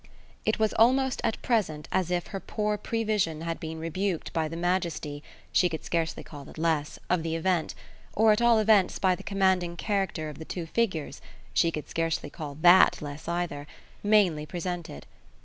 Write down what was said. It was almost at present as if her poor prevision had been rebuked by the majesty she could scarcely call it less of the event, or at all events by the commanding character of the two figures (she could scarcely call THAT less either) mainly presented.